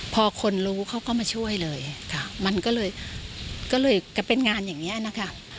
พอคนรู้เขาก็มาช่วยเลยค่ะมันก็เลยก็เลยเป็นงานอย่างนี้นะคะ